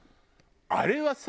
あれはさ。